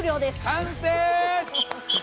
完成！